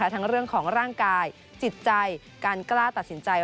ทั้งเรื่องของร่างกายจิตใจการกล้าตัดสินใจ